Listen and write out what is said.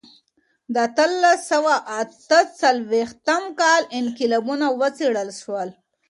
د اتلس سوه اته څلوېښتم کال انقلابونه وڅېړل سول.